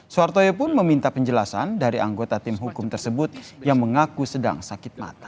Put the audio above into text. soehartoyo pun meminta penjelasan dari anggota tim hukum tersebut yang mengaku sedang sakit mata